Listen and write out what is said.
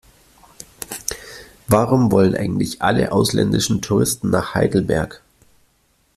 Warum wollen eigentlich alle ausländischen Touristen nach Heidelberg?